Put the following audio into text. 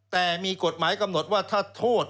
แต่มีกฎหมายกำหนดว่าถ้าโทษ